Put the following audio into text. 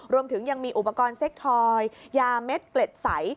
รวมถึงยังมีอุปกรณ์เซ็กทอยยาเม็ดเกล็ดใส